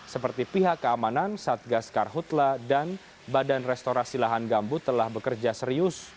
seperti pihak keamanan satgas karhutla dan badan restorasi lahan gambut telah bekerja serius